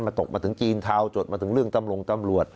ตกมาถึงจีนทาวน์จดมาถึงเรื่องตำรงตำรวจ